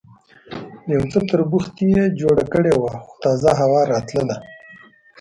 یو څه تربوختي یې جوړه کړې وه، خو تازه هوا راتلله.